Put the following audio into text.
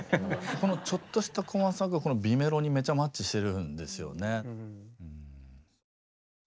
このちょっとした怖さが美メロにめちゃマッチしてるんですよね。